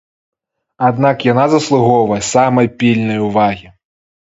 Аднак яна заслугоўвае самай пільнай увагі.